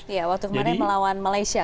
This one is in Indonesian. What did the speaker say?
iya waktu kemarin melawan malaysia